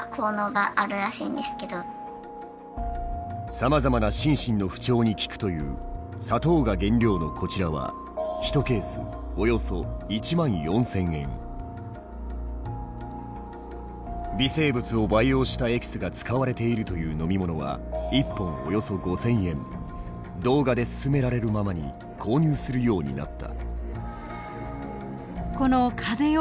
さまざまな心身の不調に効くという砂糖が原料のこちらは微生物を培養したエキスが使われているという飲み物は動画で勧められるままに購入するようになった。